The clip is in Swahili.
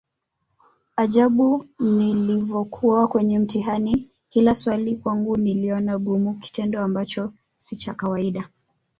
Ajabu nilivokuwa kwenye mtihani kila swali kwangu nililiona gumu kitendo Ambacho si cha kawaida